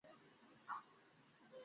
আমার কথা কেন শুনছো না?